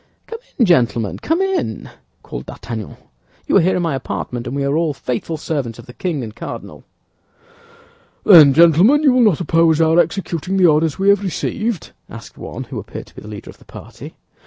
"Come in, gentlemen, come in," called D'Artagnan; "you are here in my apartment, and we are all faithful servants of the king and cardinal." "Then, gentlemen, you will not oppose our executing the orders we have received?" asked one who appeared to be the leader of the party.